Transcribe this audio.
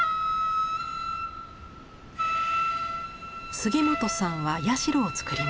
杉本さんは社を作りました。